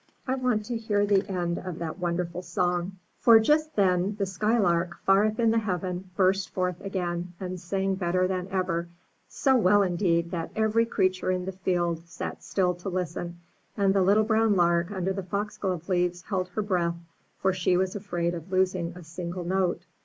"I want to hear the end of that wonder ful song." 363 MY BOOK HOUSE For just then the Skylark, far up in the heaven, burst forth again, and sang better than ever — so well, indeed, that every creature in the field sat still to listen; and the little brown Lark under the foxglove leaves held her breath, for she was afraid of losing a single note.